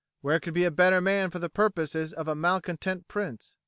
Where could be a better man for the purposes of a malcontent prince?